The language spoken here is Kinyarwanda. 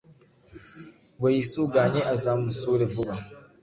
ngo yisuganye azamusure vuba.